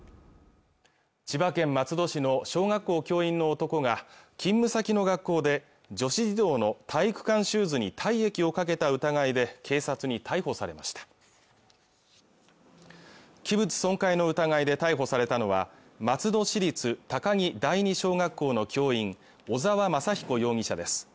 千葉県松戸市の小学校教員の男が勤務先の学校で女子児童の体育館シューズに体液をかけた疑いで警察に逮捕されました器物損壊の疑いで逮捕されたのは松戸市立高木第二小学校の教員小沢正彦容疑者です